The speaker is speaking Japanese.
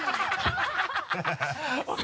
ハハハ